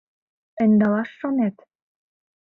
Ӧндалаш шонет —